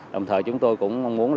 đồng thời chúng tôi cũng mong muốn